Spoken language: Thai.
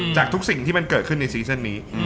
จากทุกสิ่งที่มันเกิดขึ้นในซีซั่นนี้